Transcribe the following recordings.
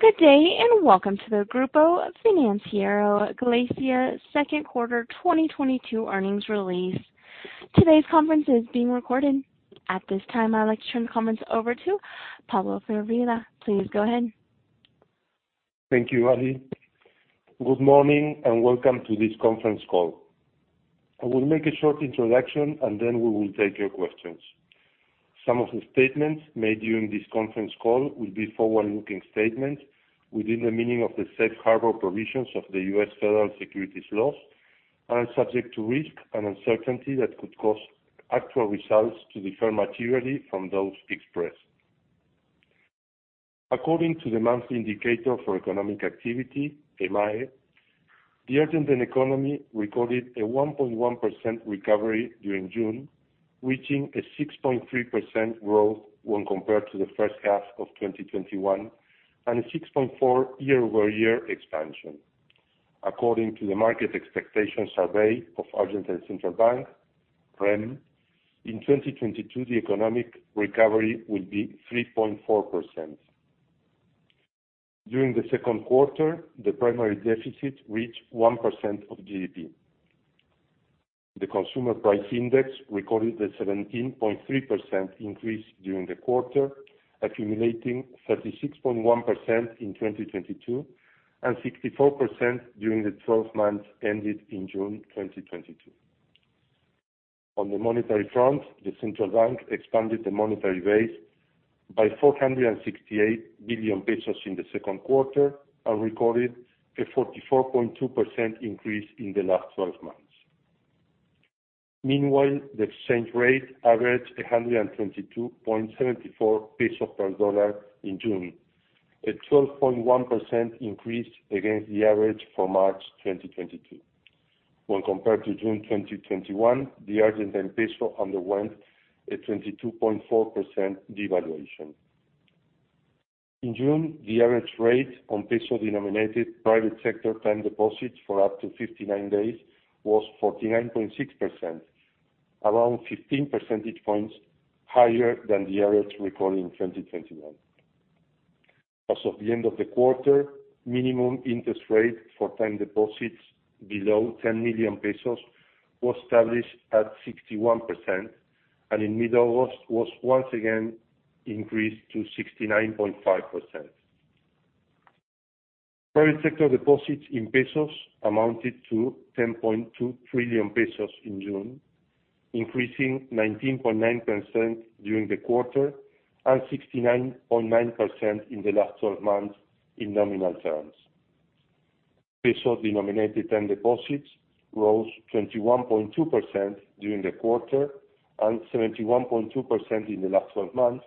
Good day, and welcome to the Grupo Financiero Galicia Q2, 2022 Earnings Release. Today's conference is being recorded. At this time, I would like to turn the conference over to Pablo Firvida. Please go ahead. Thank you, Allie. Good morning, and welcome to this conference call. I will make a short introduction, and then we will take your questions. Some of the statements made during this conference call will be forward-looking statements within the meaning of the safe harbor provisions of the U.S. Federal Securities laws and are subject to risk and uncertainty that could cause actual results to differ materially from those expressed. According to the Monthly Indicator for Economic Activity, EMAE, the Argentine economy recorded a 1.1% recovery during June, reaching a 6.3% growth when compared to the H1 of 2021, and a 6.4% year-over-year expansion. According to the Market Expectation Survey of Argentine Central Bank, REM, in 2022, the economic recovery will be 3.4%. During the Q2, the primary deficit reached 1% of GDP. The Consumer Price Index recorded a 17.3% increase during the quarter, accumulating 36.1% in 2022, and 64% during the twelve months ended in June 2022. On the monetary front, the Central Bank expanded the monetary base by 468 billion pesos in the Q2 and recorded a 44.2% increase in the last twelve months. Meanwhile, the exchange rate averaged 122.74 pesos per dollar in June, a 12.1% increase against the average for March 2022. When compared to June 2021, the Argentine peso underwent a 22.4% devaluation. In June, the average rate on peso-denominated private sector term deposits for up to 59 days was 49.6%, around fifteen percentage points higher than the average recorded in 2021. As of the end of the quarter, minimum interest rate for time deposits below 10 million pesos was established at 61%, and in mid-August was once again increased to 69.5%. Private sector deposits in pesos amounted to 10.2 trillion pesos in June, increasing 19.9% during the quarter and 69.9% in the last twelve months in nominal terms. Peso-denominated term deposits rose 21.2% during the quarter and 71.2% in the last twelve months,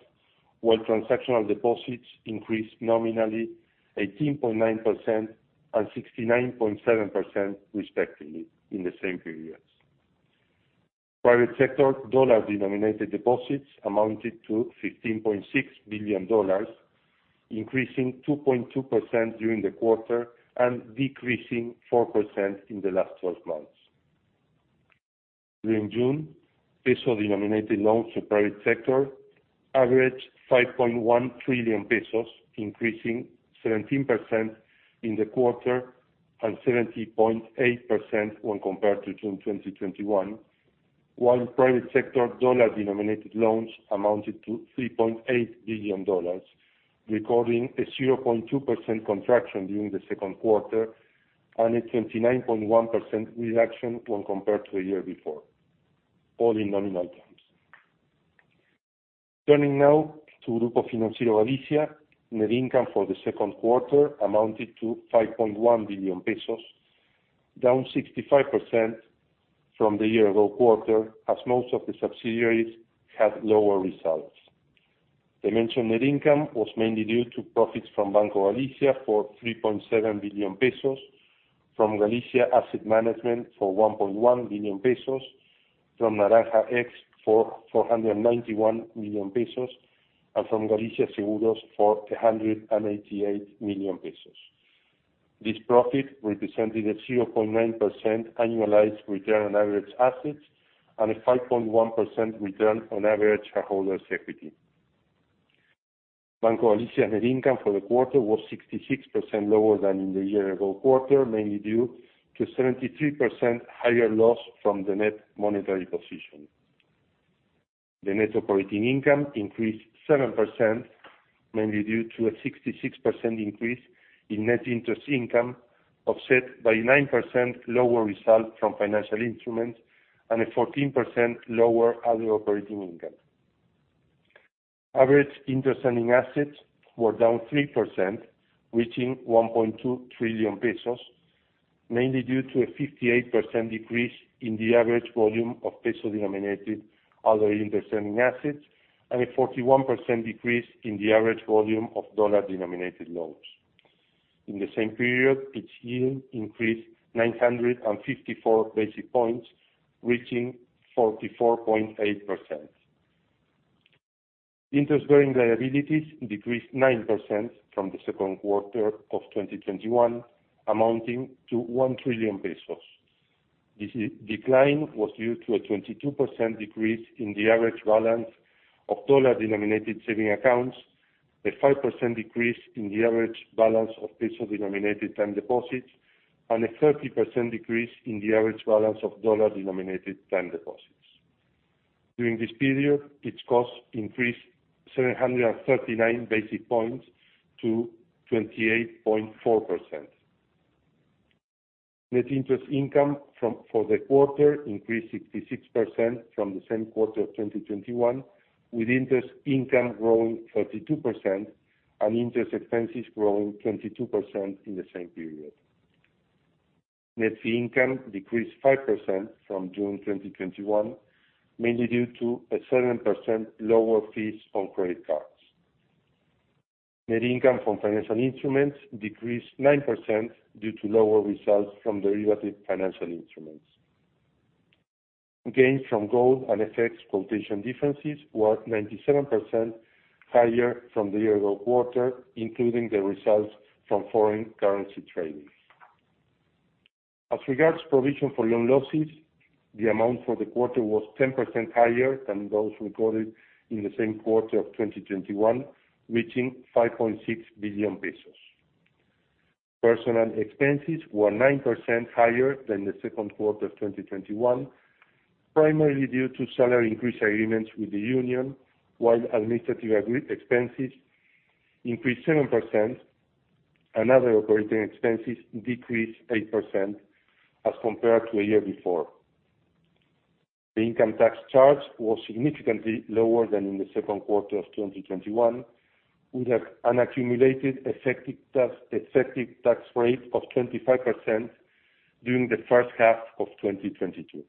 while transactional deposits increased nominally 18.9% and 69.7% respectively in the same periods. Private sector dollar-denominated deposits amounted to $15.6 billion, increasing 2.2% during the quarter and decreasing 4% in the last twelve months. During June, peso-denominated loans to private sector averaged 5.1 trillion pesos, increasing 17% in the quarter and 17.8% when compared to June 2021. While private sector dollar-denominated loans amounted to $3.8 billion, recording a 0.2% contraction during the Q2 and a 29.1% reduction when compared to a year before, all in nominal terms. Turning now to Grupo Financiero Galicia. Net income for the Q2 amounted to 5.1 billion pesos, down 65% from the year-ago quarter as most of the subsidiaries had lower results. The mentioned net income was mainly due to profits from Banco Galicia for 3.7 billion pesos, from Galicia Asset Management for 1.1 billion pesos, from Naranja X for 491 million pesos, and from Galicia Seguros for 188 million pesos. This profit represented a 0.9% annualized return on average assets and a 5.1% return on average shareholder's equity. Banco Galicia net income for the quarter was 66% lower than in the year-ago quarter, mainly due to a 73% higher loss from the net monetary position. The net operating income increased 7%, mainly due to a 66% increase in net interest income, offset by 9% lower results from financial instruments and a 14% lower other operating income. Average interest earning assets were down 3%, reaching 1.2 trillion pesos, mainly due to a 58% decrease in the average volume of peso-denominated other interest earning assets and a 41% decrease in the average volume of dollar-denominated loans. In the same period, each yield increased 954 basis points, reaching 44.8%. Interest-bearing liabilities decreased 9% from the Q2 of 2021, amounting to 1 trillion pesos. This decline was due to a 22% decrease in the average balance of dollar-denominated savings accounts, a 5% decrease in the average balance of peso-denominated time deposits, and a 30% decrease in the average balance of dollar-denominated time deposits. During this period, its cost increased 739 basis points to 28.4%. Net interest income for the quarter increased 66% from the same quarter of 2021, with interest income growing 42% and interest expenses growing 22% in the same period. Net fee income decreased 5% from June 2021, mainly due to a 7% lower fees on credit cards. Net income from financial instruments decreased 9% due to lower results from derivative financial instruments. Gains from gold and effects quotation differences were 97% higher from the year-ago quarter, including the results from foreign currency trading. As regards provision for loan losses, the amount for the quarter was 10% higher than those recorded in the same quarter of 2021, reaching ARS 5.6 billion. Personnel expenses were 9% higher than the Q2 of 2021, primarily due to salary increase agreements with the union, while administrative expenses increased 7%, and other operating expenses decreased 8% as compared to a year before. The income tax charge was significantly lower than in the Q2 of 2021, with an accumulated effective tax rate of 25% during the H1 of 2022.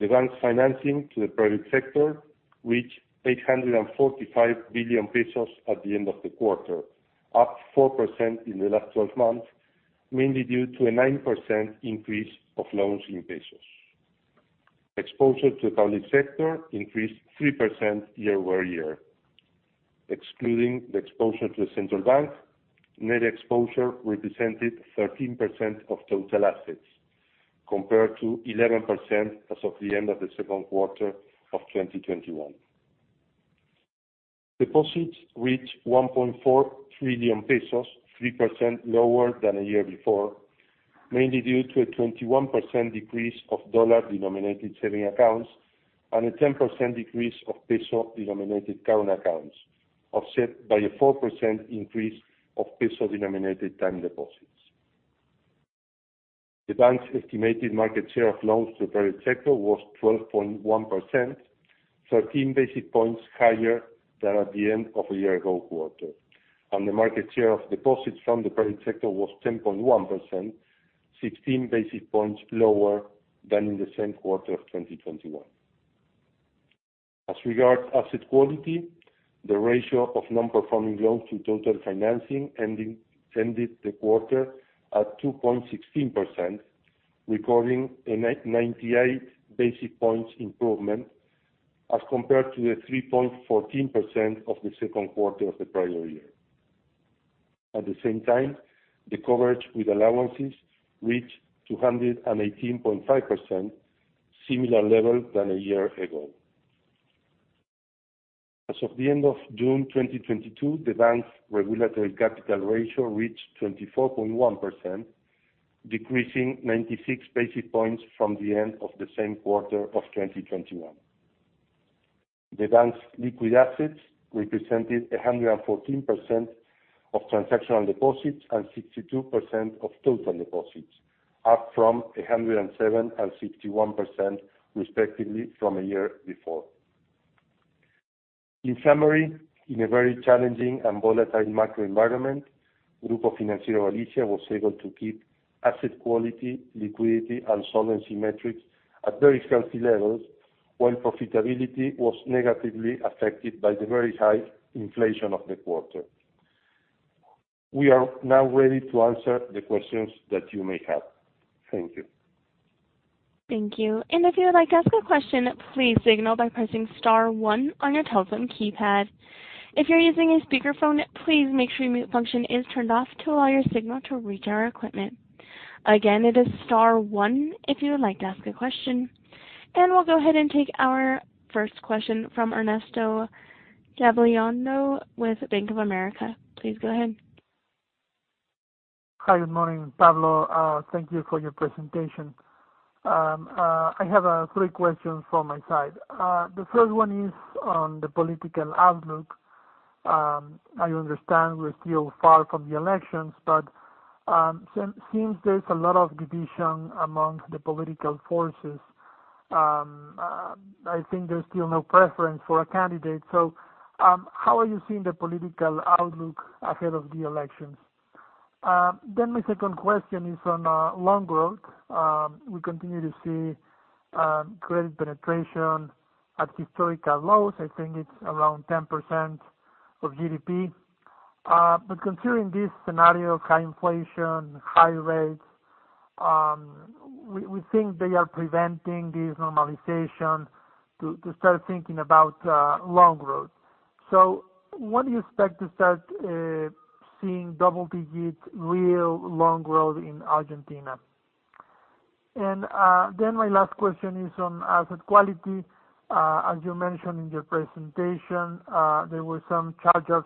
The bank's financing to the private sector reached 845 billion pesos at the end of the quarter, up 4% in the last twelve months, mainly due to a 9% increase of loans in pesos. Exposure to the public sector increased 3% year-over-year. Excluding the exposure to the central bank, net exposure represented 13% of total assets, compared to 11% as of the end of the Q2 of 2021. Deposits reached 1.4 trillion pesos, 3% lower than a year before, mainly due to a 21% decrease of dollar-denominated saving accounts and a 10% decrease of peso-denominated current accounts, offset by a 4% increase of peso-denominated time deposits. The bank's estimated market share of loans to the private sector was 12.1%, 13 basis points higher than at the end of a year-ago quarter. The market share of deposits from the private sector was 10.1%, 16 basis points lower than in the same quarter of 2021. As regards asset quality, the ratio of non-performing loans to total financing ended the quarter at 2.16%, recording a 98 basis points improvement as compared to the 3.14% of the Q2 of the prior year. At the same time, the coverage with allowances reached 218.5%, similar level than a year ago. As of the end of June 2022, the bank's regulatory capital ratio reached 24.1%, decreasing 96 basis points from the end of the same quarter of 2021. The bank's liquid assets represented 114% of transactional deposits and 62% of total deposits, up from 107% and 61% respectively from a year before. In summary, in a very challenging and volatile macro environment, Grupo Financiero Galicia was able to keep asset quality, liquidity, and solvency metrics at very healthy levels, while profitability was negatively affected by the very high inflation of the quarter. We are now ready to answer the questions that you may have. Thank you. Thank you. If you would like to ask a question, please signal by pressing star one on your telephone keypad. If you're using a speakerphone, please make sure mute function is turned off to allow your signal to reach our equipment. Again, it is star one if you would like to ask a question. We'll go ahead and take our first question from Ernesto Gabilondo with Bank of America. Please go ahead. Hi, good morning, Pablo. Thank you for your presentation. I have three questions from my side. The first one is on the political outlook. I understand we're still far from the elections, but seems there's a lot of division among the political forces. I think there's still no preference for a candidate. How are you seeing the political outlook ahead of the elections? My second question is on loan growth. We continue to see credit penetration at historical lows. I think it's around 10% of GDP. Considering this scenario of high inflation, high rates, we think they are preventing this normalization to start thinking about loan growth. When do you expect to start seeing double digits real loan growth in Argentina? My last question is on asset quality. As you mentioned in your presentation, there were some charges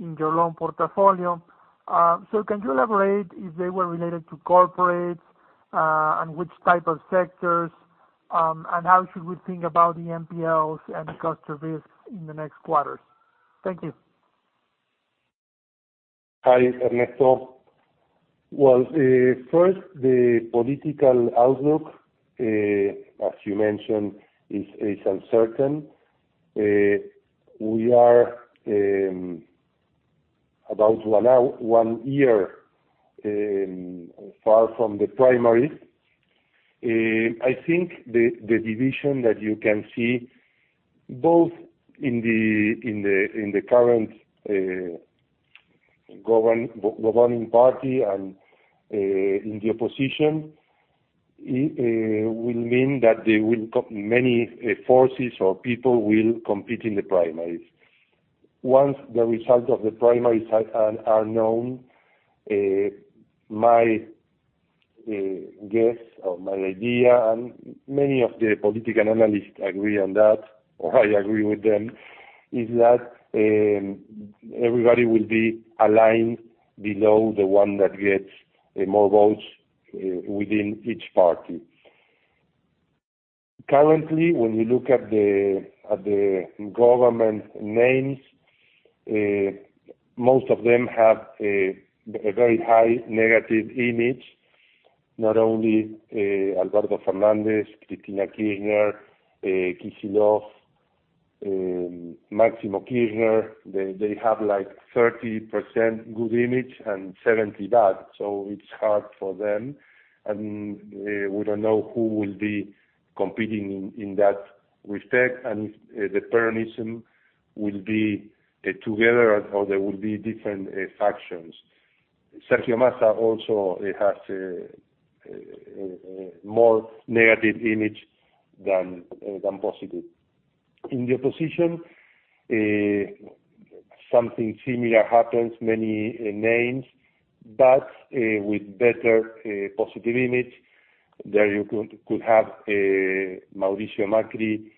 in your loan portfolio. Can you elaborate if they were related to corporates, and which type of sectors, and how should we think about the NPLs and the cost of risk in the next quarters? Thank you. Hi, Ernesto. Well, first, the political outlook, as you mentioned, is uncertain. We are about one year far from the primaries. I think the division that you can see both in the current governing party and in the opposition will mean that many forces or people will compete in the primaries. Once the results of the primaries are known, my guess or my idea and many of the political analysts agree on that, or I agree with them, is that everybody will be aligned below the one that gets more votes within each party. Currently, when we look at the government names, most of them have a very high negative image, not only Alberto Fernández, Cristina Fernández de Kirchner, Kicillof, Máximo Kirchner. They have, like, 30% good image and 70% bad, so it's hard for them. We don't know who will be competing in that respect and if the Peronism will be together or there will be different factions. Sergio Massa also has a more negative image than positive. In the opposition, something similar happens, many names, but with better positive image. There you could have Mauricio Macri,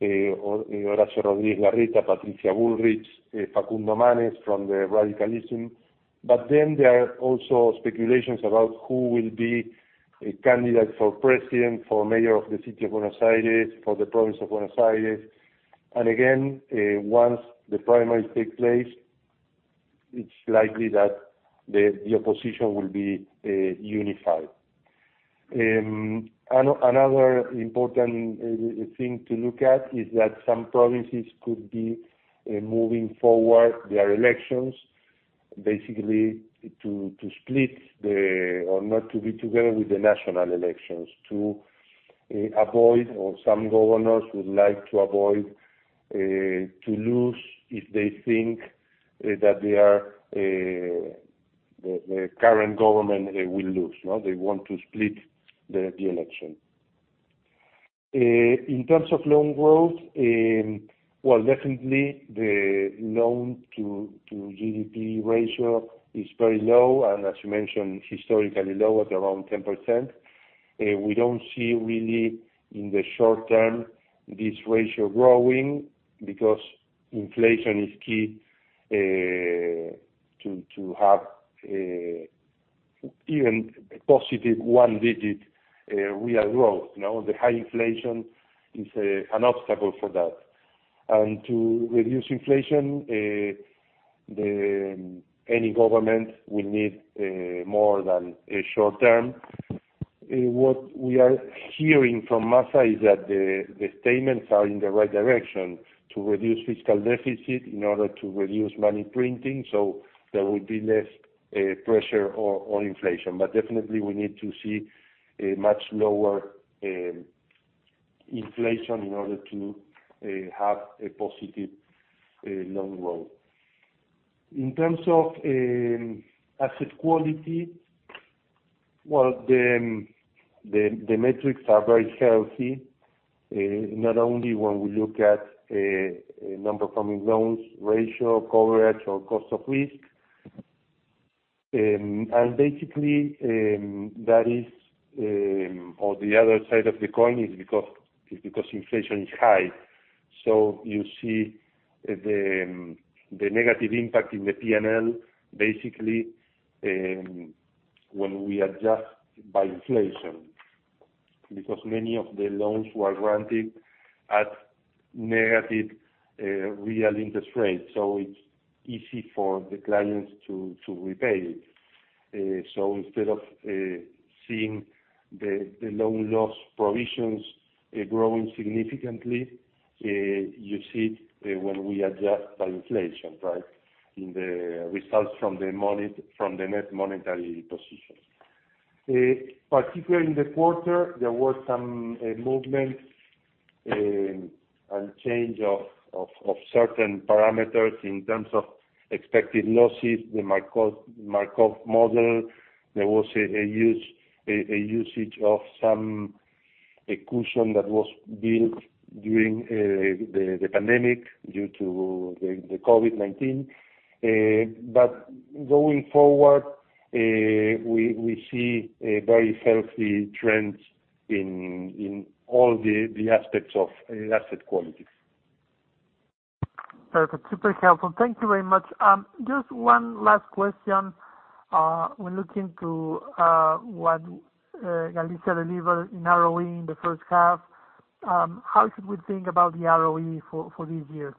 or, you know, Horacio Rodríguez Larreta, Patricia Bullrich, Facundo Manes from the Radicalism. There are also speculations about who will be a candidate for president, for mayor of the city of Buenos Aires, for the province of Buenos Aires. Again, once the primaries take place, it's likely that the opposition will be unified. Another important thing to look at is that some provinces could be moving forward their elections, basically to split the or not to be together with the national elections to avoid or some governors would like to avoid to lose if they think that the current government, they will lose. Now they want to split the election. In terms of loan growth, well, definitely the loan-to-GDP ratio is very low, and as you mentioned, historically low at around 10%. We don't see really in the short term this ratio growing because inflation is key to have an even positive one-digit real growth. The high inflation is an obstacle for that. To reduce inflation, any government will need more than a short term. What we are hearing from Massa is that the statements are in the right direction to reduce fiscal deficit in order to reduce money printing, so there will be less pressure on inflation. Definitely we need to see a much lower inflation in order to have a positive loan growth. In terms of asset quality, well, the metrics are very healthy, not only when we look at Non Performing Loans ratio, coverage, or cost of risk. Basically, that is on the other side of the coin because inflation is high. You see the negative impact in the P&L basically when we adjust by inflation, because many of the loans were granted at negative real interest rates, so it's easy for the clients to repay it. Instead of seeing the loan loss provisions growing significantly, you see it when we adjust by inflation, right? In the results from the net monetary positions. Particularly in the quarter, there were some movements and change of certain parameters in terms of expected losses, the Markov Model. There was a usage of some cushion that was built during the pandemic due to the COVID-19. Going forward, we see a very healthy trends in all the aspects of asset quality. Perfect. Super helpful. Thank you very much. Just one last question. When looking to what Galicia delivered in ROE in the H1, how should we think about the ROE for this year?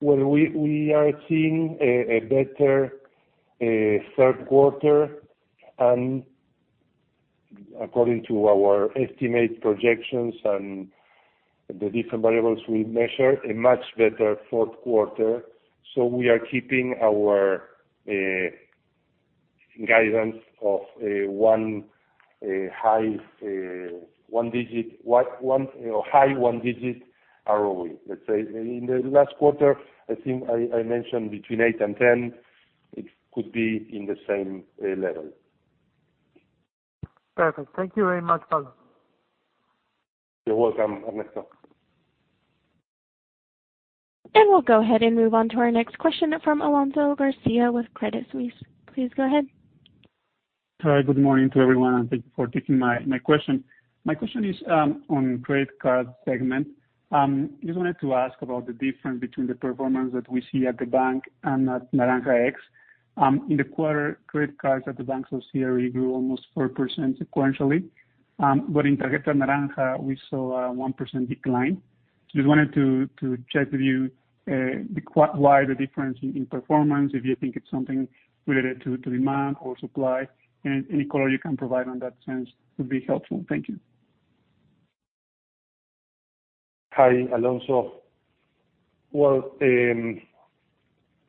Well, we are seeing a better Q3 and according to our estimate projections and the different variables we measure, a much betterQ4. We are keeping our guidance of high single-digit ROE. Let's say, in the last quarter, I think I mentioned between 8% and 10%, it could be in the same level. Perfect. Thank you very much, Pablo. You're welcome, Ernesto. We'll go ahead and move on to our next question from Alonso Garcia with Credit Suisse. Please go ahead. Hi. Good morning to everyone, and thank you for taking my question. My question is on credit card segment. Just wanted to ask about the difference between the performance that we see at the bank and at Naranja X. In the quarter, credit cards at the bank, so CRE grew almost 4% sequentially. In Tarjeta Naranja we saw a 1% decline. Just wanted to check with you why the difference in performance, if you think it's something related to demand or supply. Any color you can provide on that sense would be helpful. Thank you. Hi, Alonso. Well,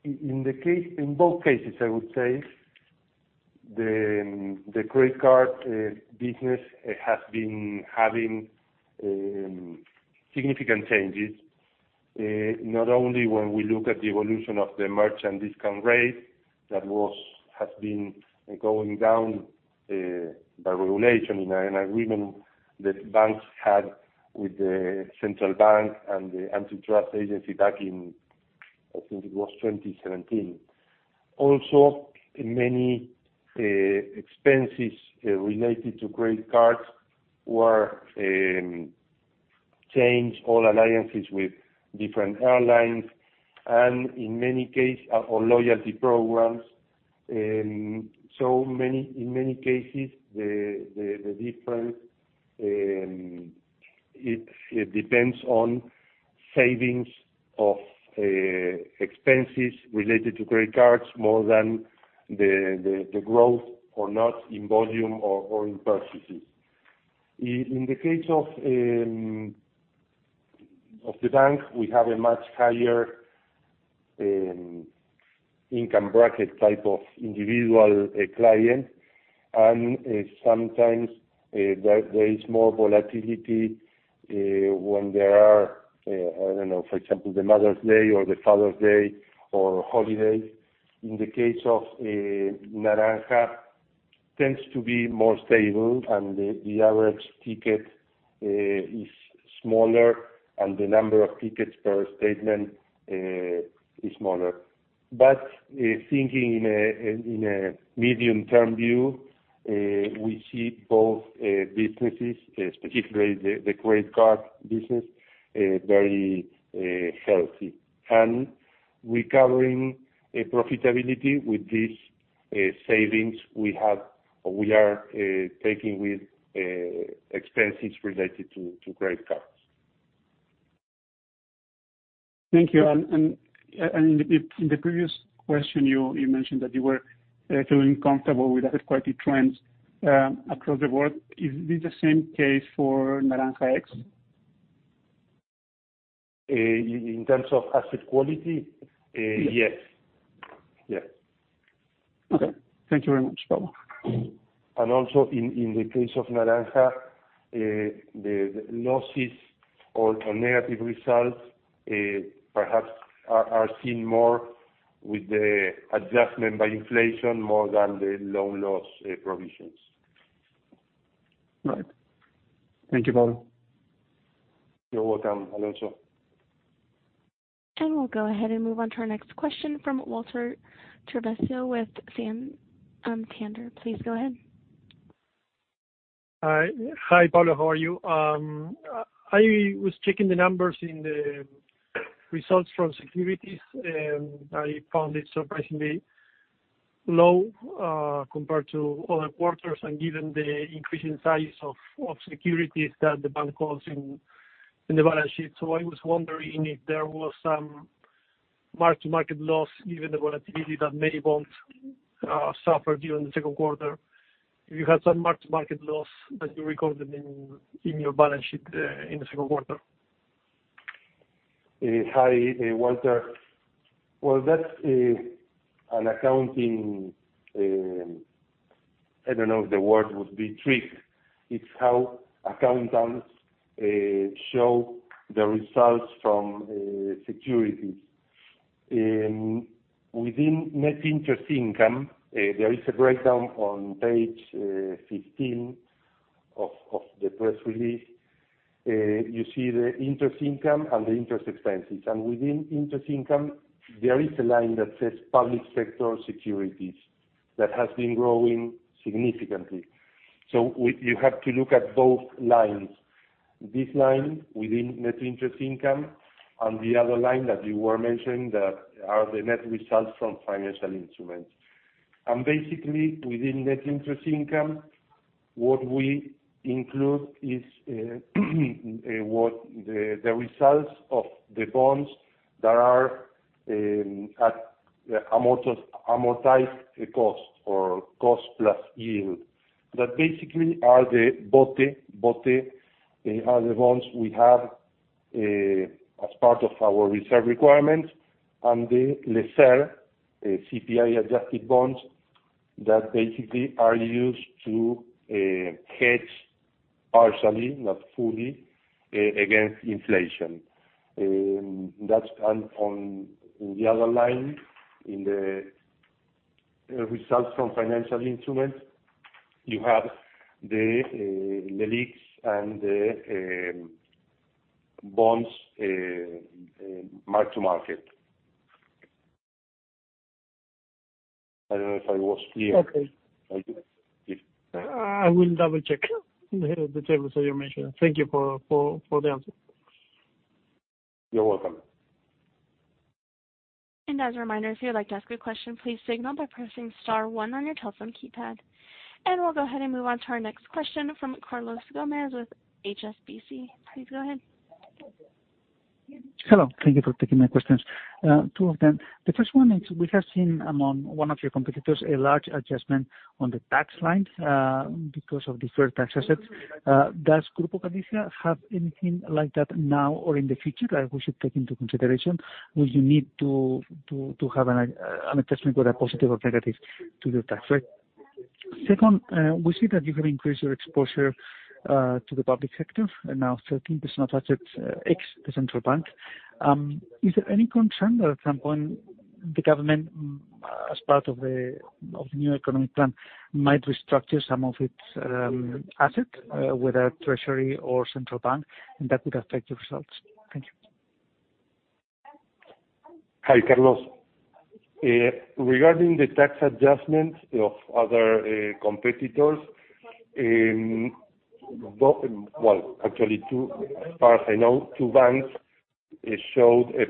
in both cases, I would say, the credit card business it has been having significant changes, not only when we look at the evolution of the merchant discount rate that has been going down by regulation in an agreement that banks had with the central bank and the antitrust agency back in, I think it was 2017. Also, many expenses related to credit cards were changed, all alliances with different airlines, and in many cases, our loyalty programs. So many, in many cases, the different it depends on savings of expenses related to credit cards more than the growth or not in volume or in purchases. In the case of the bank, we have a much higher income bracket type of individual client, and sometimes there is more volatility when there are, I don't know, for example, the Mother's Day or the Father's Day or holiday. In the case of Naranja tends to be more stable and the average ticket is smaller and the number of tickets per statement is smaller but thinking in a medium-term view, we see both businesses, especially the credit card business, very healthy. Recovering profitability with this savings we have, we are taking with expenses related to credit cards. Thank you. In the previous question, you mentioned that you were feeling comfortable with asset quality trends across the board. Is this the same case for Naranja X? In terms of asset quality? Yes. Yes. Okay. Thank you very much, Pablo. Also in the case of Naranja, the losses or negative results perhaps are seen more with the adjustment by inflation more than the loan loss provisions. Right. Thank you, Pablo. You're welcome, Alonso. We'll go ahead and move on to our next question from Walter Chiarvesio with Banco Santander. Please go ahead. Hi. Hi, Pablo. How are you? I was checking the numbers in the results from securities, and I found it surprisingly low, compared to other quarters and given the increasing size of securities that the bank holds in the balance sheet. I was wondering if there was some mark-to-market loss, given the volatility that many bonds suffered during the Q2. If you had some mark-to-market loss, that you recorded in your balance sheet, in the Q2? Hi, Walter. Well, that's an accounting, I don't know if the word would be trick. It's how accountants show the results from securities. Within net interest income, there is a breakdown on page 15 of the press release. You see the interest income and the interest expenses, and within interest income, there is a line that says public sector securities that has been growing significantly. You have to look at both lines. This line within net interest income and the other line that you were mentioning that are the net results from financial instruments. Basically within net interest income, what we include is what the results of the bonds that are at amortized cost or cost plus yield. That basically are the BOTE, the bonds we have as part of our reserve requirements and the LECER, CPI adjusted bonds that basically are used to hedge partially, not fully, against inflation. That's done on the other line in the results from financial instruments. You have the LELIQs and the bonds mark-to-market. I don't know if I was clear. Okay. Thank you. I will double-check the head of the table that you mentioned. Thank you for the answer. You're welcome. As a reminder, if you'd like to ask a question, please signal by pressing star one on your telephone keypad. We'll go ahead and move on to our next question from Carlos Gomez-Lopez with HSBC. Please go ahead. Hello. Thank you for taking my questions. Two of them. The first one is we have seen among one of your competitors a large adjustment on the tax line, because of deferred tax assets. Does Grupo Financiero Galicia have anything like that now or in the future that we should take into consideration? Would you need to have an adjustment or a positive or negative to your tax rate? Second, we see that you have increased your exposure to the public sector and now 13% of assets, ex the Central Bank. Is there any concern that at some point the government, as part of the new economic plan, might restructure some of its assets, whether Treasury or Central Bank, and that would affect your results? Thank you. Hi, Carlos. Regarding the tax adjustment of other competitors, well, actually, two, as far as I know, two banks showed a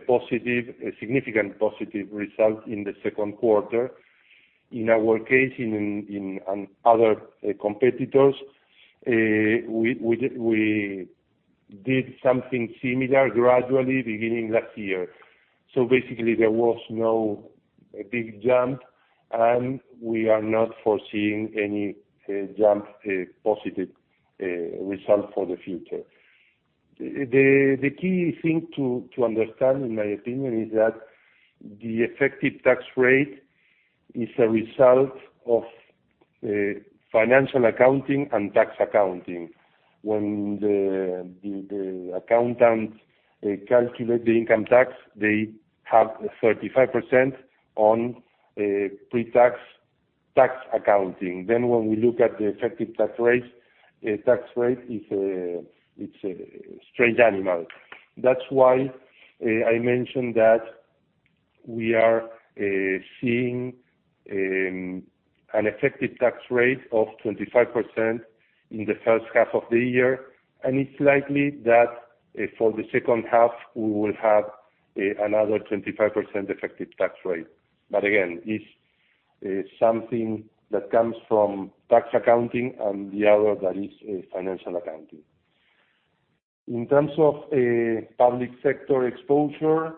significant positive result in the Q2. In our case, and other competitors, we did something similar gradually beginning last year. Basically, there was no big jump, and we are not foreseeing any jump positive result for the future. The key thing to understand, in my opinion, is that the effective tax rate is a result of financial accounting and tax accounting. When the accountants calculate the income tax, they have 35% on pre-tax tax accounting. Then when we look at the effective tax rate, it's a strange animal. That's why I mentioned that we are seeing an effective tax rate of 25% in the H1 of the year, and it's likely that for the H2, we will have another 25% effective tax rate. Again, it's something that comes from tax accounting and the other that is financial accounting. In terms of public sector exposure,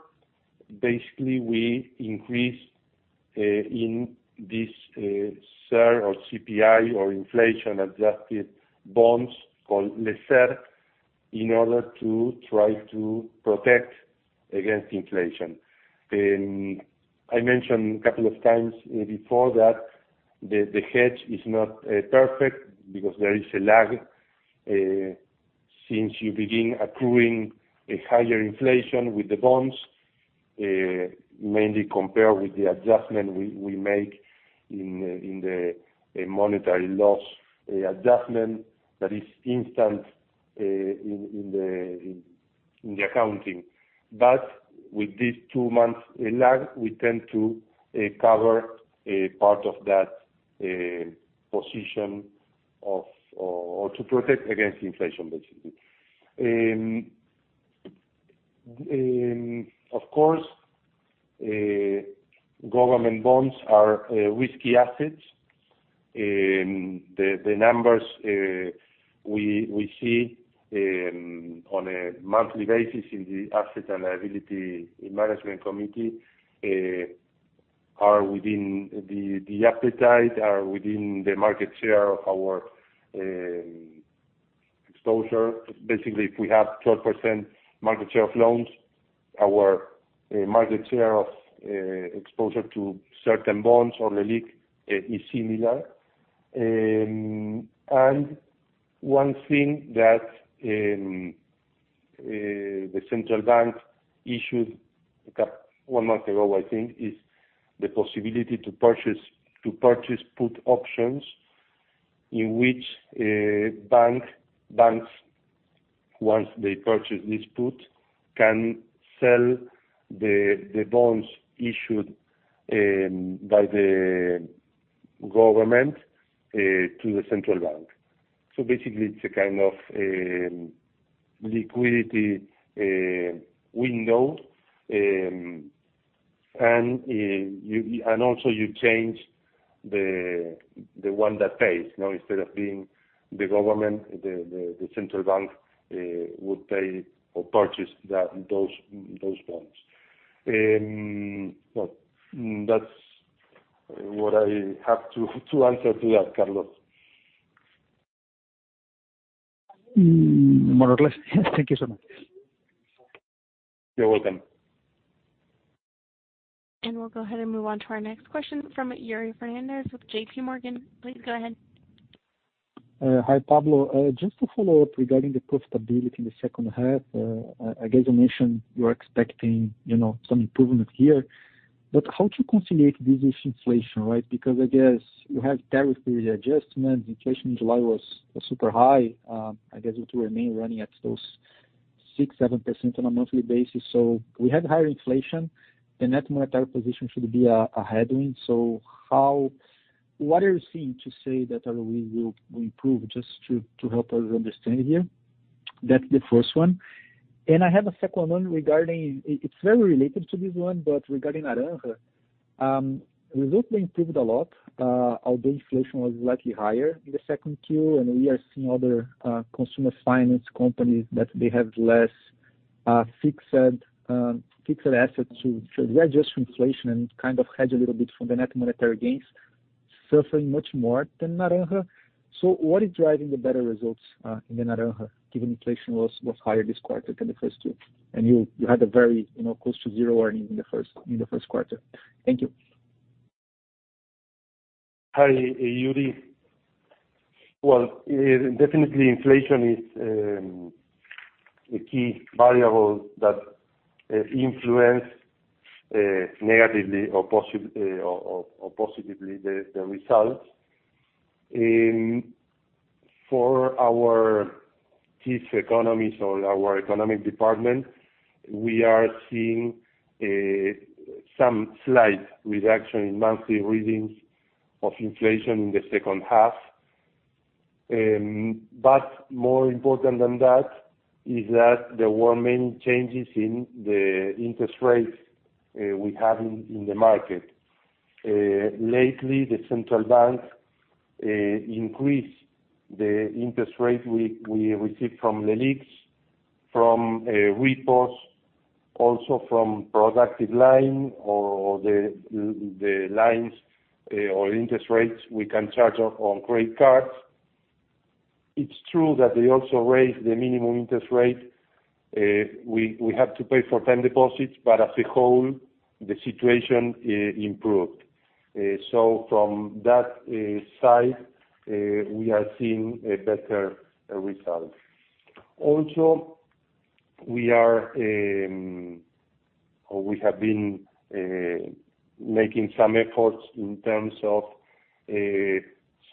basically, we increase in this CER or CPI or inflation-adjusted bonds called LECER in order to try to protect against inflation. I mentioned a couple of times before that the hedge is not perfect because there is a lag since you begin accruing a higher inflation with the bonds mainly compared with the adjustment we make in the monetary loss adjustment that is instant in the accounting. With this two months in lag, we tend to cover a part of that position or to protect against inflation, basically. Of course, government bonds are risky assets. The numbers we see on a monthly basis in the asset and liability management committee are within the appetite, are within the market share of our exposure. Basically, if we have 12% market share of loans, our market share of exposure to certain bonds or the LELIQ is similar. One thing that the central bank issued about one month ago, I think, is the possibility to purchase put options in which banks, once they purchase this put, can sell the bonds issued by the government to the central bank. Basically, it's a liquidity window. Also you change the one that pays, instead of being the government, the central bank would pay or purchase those bonds. Well, that's what I have to answer to that, Carlos. More or less. Thank you so much. You're welcome. We'll go ahead and move on to our next question from Yuri Fernandes with JPMorgan. Please go ahead. Hi, Pablo. Just to follow up regarding the profitability in the H2. I guess you mentioned you're expecting, you know, some improvement here, but how to reconcile this with inflation, right? Because I guess you have tariff period adjustment. Inflation in July was super high. I guess it will remain running at those 6%, 7% on a monthly basis. So we had higher inflation. The net monetary position should be a headwind. What are you seeing to say that we will improve, just to help us understand here? That's the first one. I have a second one regarding it. It's very related to this one, but regarding Naranja. Results improved a lot, although inflation was slightly higher in the Q2, and we are seeing other consumer finance companies that they have less fixed assets to adjust for inflation and hedge a little bit from the net monetary gains suffering much more than Naranja. So what is driving the better results in the Naranja, given inflation was higher this quarter than the first two? You had a very, you know, close to zero earnings in the Q1. Thank you. Hi, Yuri. Well, definitely inflation is a key variable that influence negatively or positively the results. For our chief economist or our economic department, we are seeing some slight reduction in monthly readings of inflation in the H2. More important than that is that there were many changes in the interest rates we have in the market. Lately, the central bank increased the interest rate we receive from LELIQs, repos, also from productive line or the lines, or interest rates we can charge on credit cards. It's true that they also raised the minimum interest rate we have to pay for time deposits, but as a whole, the situation improved. From that side, we are seeing a better result. We have been making some efforts in terms of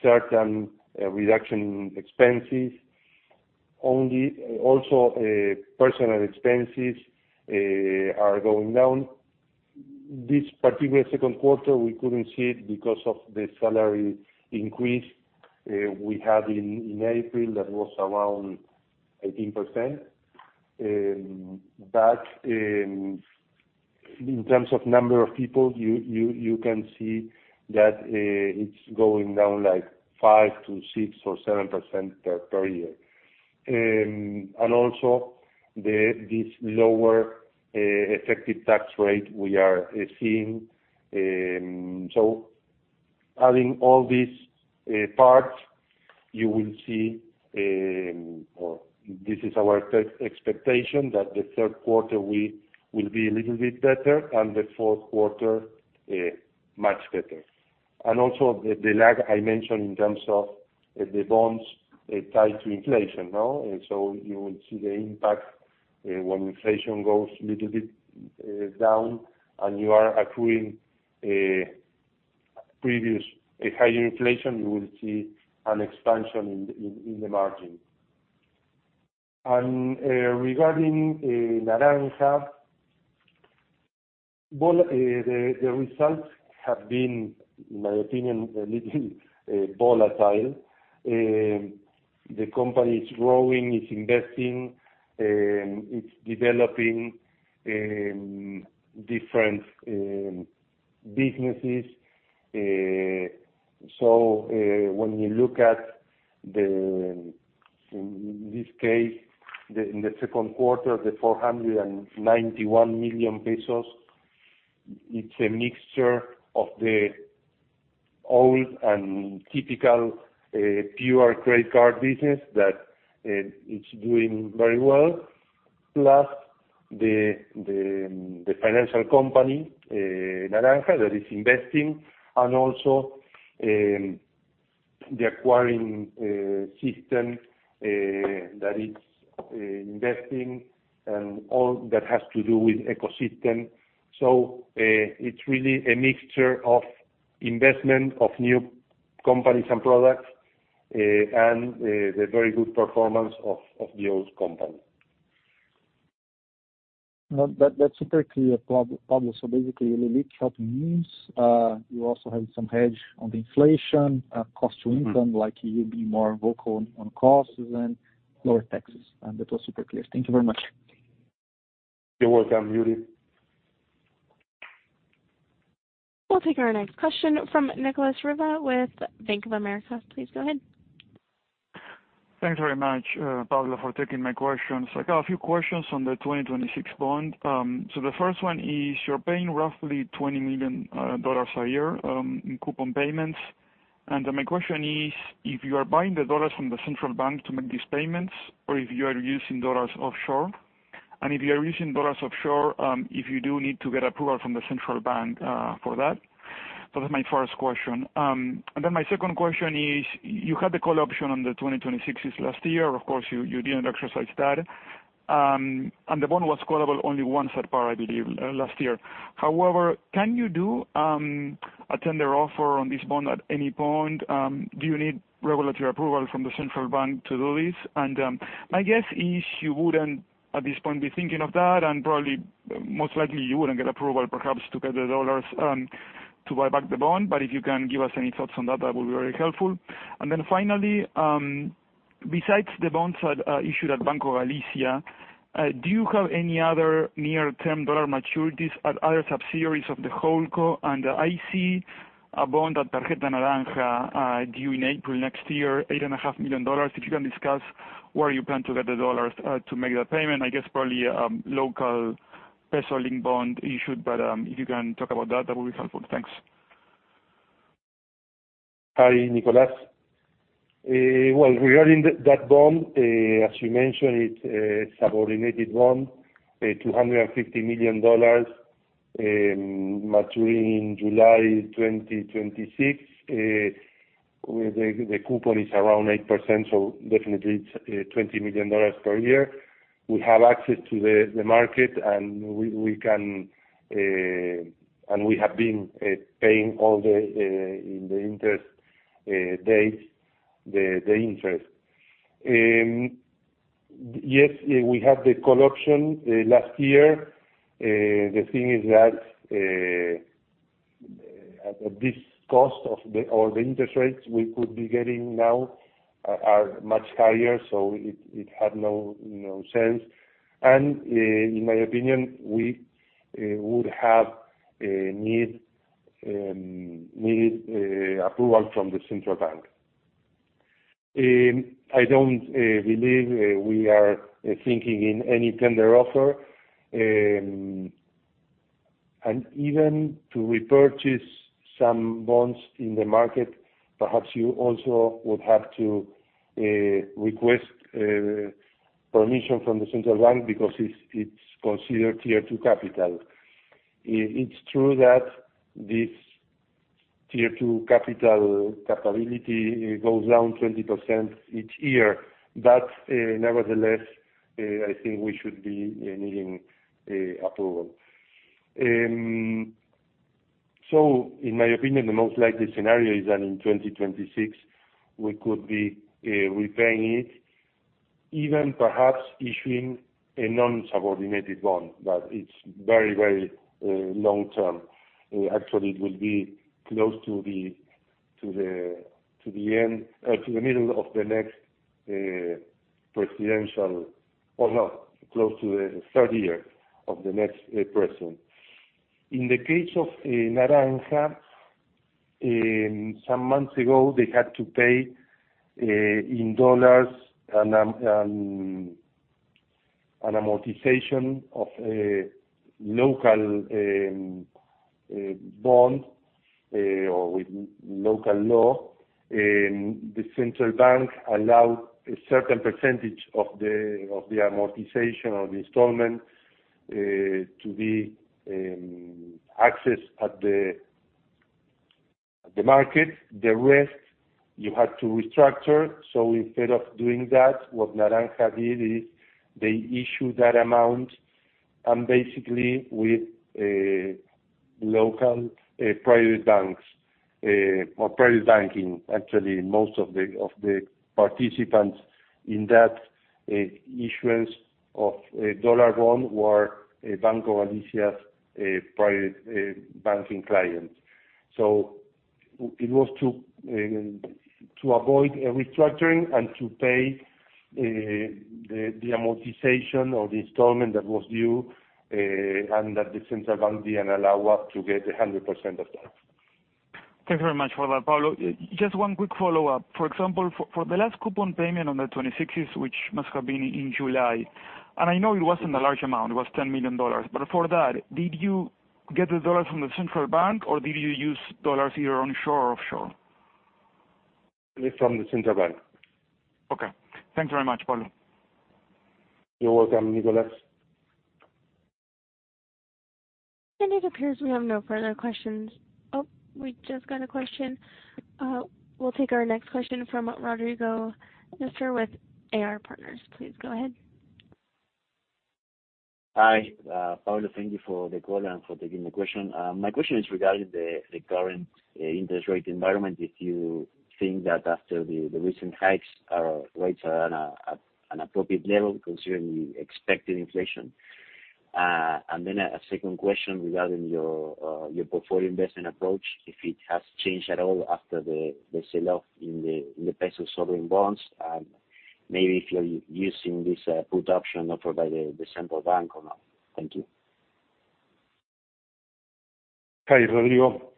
certain reduction expenses. Personnel expenses are going down. This particular Q2, we couldn't see it because of the salary increase we had in April. That was around 18%. In terms of number of people, you can see that it's going down like 5% to 6% or 7% per year. Also this lower effective tax rate we are seeing. Adding all these parts, you will see, or this is our expectation, that the Q3 we will be a little bit better and the Q4 much better. Also the lag I mentioned in terms of the bonds tied to inflation, no? You will see the impact when inflation goes a little bit down and you are accruing previous higher inflation, you will see an expansion in the margin. Regarding Naranja, well, the results have been, in my opinion, a little volatile. The company is growing, it's investing, it's developing different businesses. So, when you look at, in this case, the Q2, the 491 million pesos, it's a mixture of the old and typical pure credit card business that is doing very well. Plus the financial company, Naranja that is investing and also, the acquiring system that is investing and all that has to do with ecosystem. It's really a mixture of investment of new companies and products, and the very good performance of the old company. That's super clear, Pablo. Basically, LELIQ tracking inflation, you also have some hedge on the inflation, cost to income, like you being more vocal on costs and lower taxes, and that was super clear. Thank you very much. You're welcome, Yuri. We'll take our next question from Nicolas Riva with Bank of America. Please go ahead. Thanks very much, Pablo, for taking my questions. I got a few questions on the 2026 bond. The first one is you're paying roughly $20 million a year in coupon payments. My question is if you are buying the dollars from the central bank to make these payments, or if you are using dollars offshore, and if you are using dollars offshore, if you do need to get approval from the central bank for that? That's my first question. My second question is you had the call option on the 2026 last year. Of course, you didn't exercise that. The bond was callable only once at par, I believe, last year. However, can you do a tender offer on this bond at any point? Do you need regulatory approval from the central bank to do this? My guess is you wouldn't at this point be thinking of that, and probably most likely you wouldn't get approval perhaps to get the dollars to buy back the bond. If you can give us any thoughts on that would be very helpful. Finally, besides the bonds that are issued at Banco Galicia, do you have any other near-term dollar maturities at other subsidiaries of the [HomeCo]? I see a bond at Tarjeta Naranja due in April next year, $8.5 million. If you can discuss where you plan to get the dollars to make that payment, I guess probably local peso-linked bond issued. If you can talk about that would be helpful. Thanks. Hi, Nicolas. Well, regarding that bond, as you mentioned, it's a subordinated bond, $250 million, maturing in July 2026. The coupon is around 8%, so definitely it's $20 million per year. We have access to the market, and we can. We have been paying all the interest on the interest dates. Yes, we have the call option last year. The thing is that at this cost, or the interest rates we could be getting now are much higher, so it had no sense. In my opinion, we would have need approval from the central bank. I don't believe we are thinking of any tender offer. Even to repurchase some bonds in the market, perhaps you also would have to request permission from the central bank because it's considered Tier 2 capital. It's true that this Tier 2 capital goes down 20% each year. Nevertheless, I think we should be needing approval. In my opinion, the most likely scenario is that in 2026 we could be repaying it, even perhaps issuing a non-subordinated bond, but it's very long-term. Actually, it will be close to the end, to the middle of the next presidential or not, close to the third year of the next president. In the case of Naranja, some months ago, they had to pay in dollars an amortization of a local bond or with local law. The central bank allowed a certain percentage of the amortization of the instalment to be accessed at the market. The rest you had to restructure. Instead of doing that, what Naranja did is they issued that amount, and basically with local private banks or private banking. Actually, most of the participants in that issuance of a dollar bond were Banco Galicia's private banking clients. It was to avoid a restructuring and to pay the amortization or the instalment that was due, and the central bank didn't allow us to get 100% of that. Thank you very much for that, Pablo. Just one quick follow-up. For example, for the last coupon payment on the 26th, which must have been in July, and I know it wasn't a large amount, it was $10 million. For that, did you get the dollars from the central bank, or did you use dollars either onshore or offshore? From the Central Bank. Okay. Thanks very much, Pablo. You're welcome, Nicolas. It appears we have no further questions. Oh, we just got a question. We'll take our next question from Rodrigo Nistor with AR Partners. Please go ahead. Hi, Pablo. Thank you for the call and for taking the question. My question is regarding the current interest rate environment. If you think that after the recent hikes, rates are at an appropriate level considering the expected inflation? A second question regarding your portfolio investment approach, if it has changed at all after the sell-off in the peso sovereign bonds, maybe if you're using this put option offered by the central bank or not? Thank you. Hi, Rodrigo.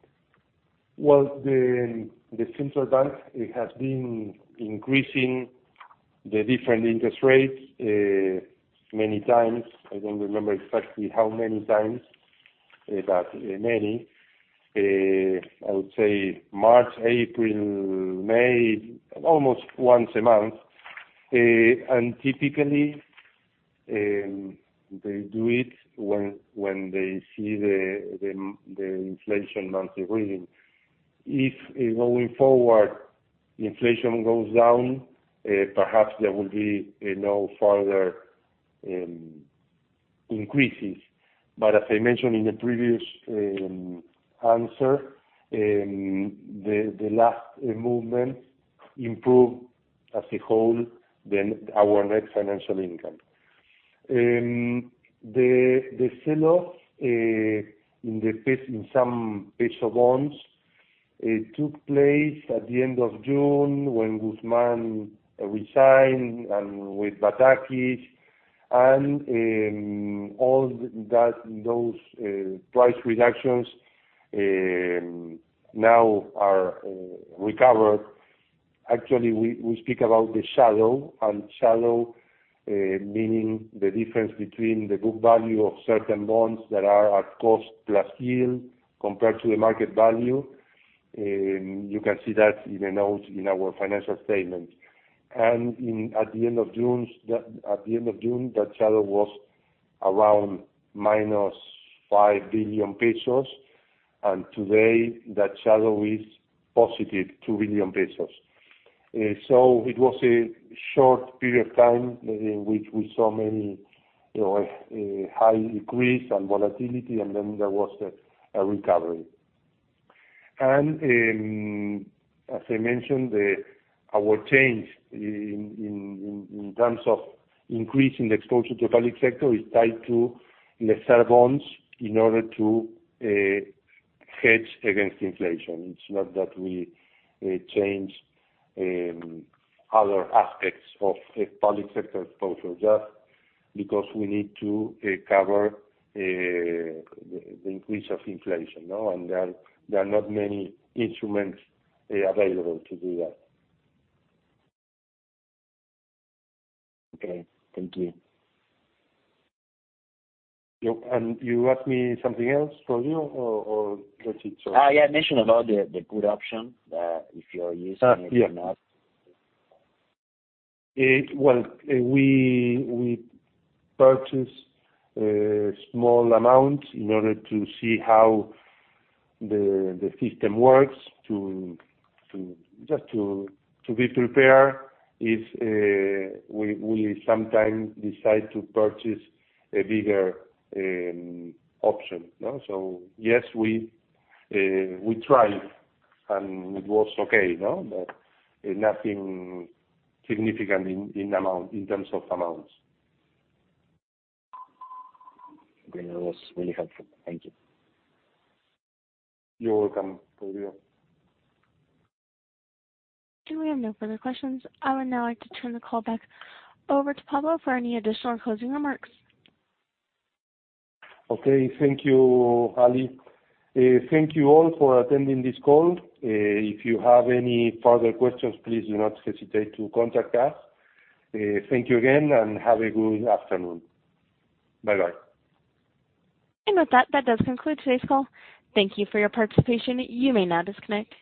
The central bank has been increasing the different interest rates many times. I don't remember exactly how many times, but many, I would say March, April, May, almost once a month. Typically, they do it when they see the inflation monthly reading. If going forward, inflation goes down, perhaps there will be no further increases. As I mentioned in the previous answer, the last movement improved as a whole then our net financial income. The sell-off in some peso bonds took place at the end of June when Guzmán resigned and with Batakis and all that, those price reductions now are recovered. Actually, we speak about the shadow, and shadow meaning the difference between the book value of certain bonds that are at cost plus yield compared to the market value. You can see that in the notes in our financial statement. At the end of June, that shadow was around -5 billion pesos, and today that shadow is +2 billion pesos. So it was a short period of time in which we saw many high increase and volatility, and then there was a recovery. As I mentioned, our change in terms of increasing the exposure to public sector is tied to LECER bonds in order to hedge against inflation. It's not that we change other aspects of a public sector exposure, just because we need to cover the increase of inflation, you know. There are not many instruments available to do that. Okay. Thank you. Yep, you asked me something else, Rodrigo, or that's it? Yeah, mention about the put option if you're using it or not? Yeah. Well, we purchased a small amount in order to see how the system works, just to be prepared if we sometimes decide to purchase a bigger option, you know. Yes, we tried and it was okay, you know, but nothing significant in amount, in terms of amounts. Okay. That was really helpful. Thank you. You're welcome, Rodrigo. We have no further questions. I would now like to turn the call back over to Pablo for any additional closing remarks. Okay. Thank you, Allie. Thank you all for attending this call. If you have any further questions, please do not hesitate to contact us. Thank you again and have a good afternoon. Bye-bye. With that does conclude today's call. Thank you for your participation. You may now disconnect.